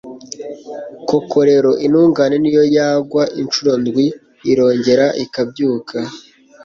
koko rero, intungane n'iyo yagwa incuro ndwi, irongera ikabyuka